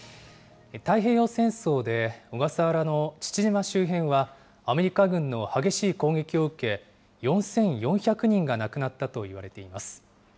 太平洋戦争で小笠原の父島周辺は、アメリカ軍の激しい攻撃を受け、４４００人が亡くなったといわれています。